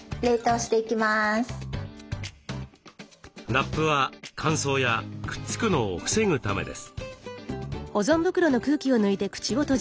ラップは乾燥やくっつくのを防ぐためです。